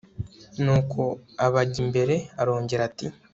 nuko abajya imbere. arongera ati